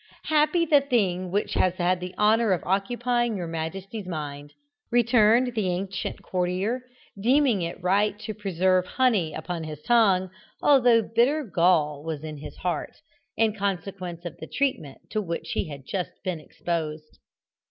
"Happy the thing which has had the honour of occupying your majesty's mind," returned the ancient courtier, deeming it right to preserve honey upon his tongue, although bitter gall was in his heart, in consequence of the treatment to which he had just been exposed.